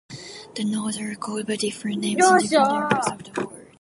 The nodes are called by different names in different areas of the world.